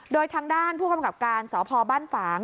โดยทางด้านผู้กำกับการสพบ้านฝาง